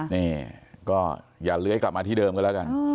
นี่ก็อย่าเลื้อยกลับมาที่เดิมก็แล้วกัน